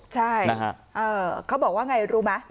ใช่เขาบอกว่าไงรู้ไหม